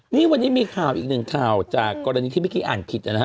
นี่วันนี้มีข่าวอีกหนึ่งข่าวจากกรณีที่เมื่อกี้อ่านผิดนะฮะ